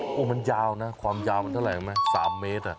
โอ้โหมันยาวนะความยาวมันเท่าไหร่ไหม๓เมตร